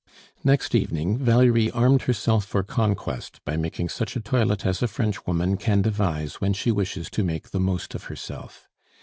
Next evening Valerie armed herself for conquest by making such a toilet as a Frenchwoman can devise when she wishes to make the most of herself.